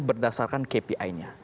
berdasarkan kpi nya